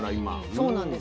そうなんです。